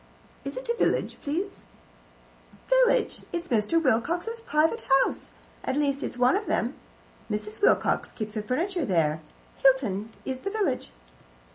"Is it a village, please?" "Village! It's Mr. Wilcox's private house at least, it's one of them. Mrs. Wilcox keeps her furniture there. Hilton is the village."